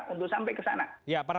untuk sampai ke sana